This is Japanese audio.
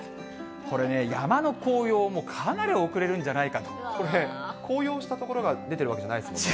これね、山の紅葉もかなり遅れるこれ、紅葉した所が出てるわけじゃないですよね？